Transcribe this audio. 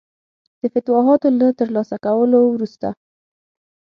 د فتوحاتو له ترلاسه کولو وروسته.